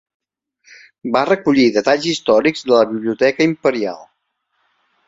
Va recollir detalls històrics de la biblioteca Imperial.